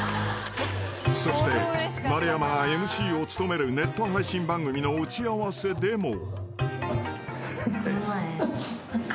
［そして丸山がＭＣを務めるネット配信番組の打ち合わせでも］